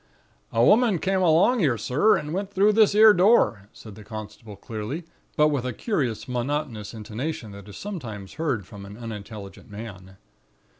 "'A woman come along 'ere, sir, and went through this 'ere door,' said the constable, clearly, but with a curious monotonous intonation that is sometimes heard from an unintelligent man.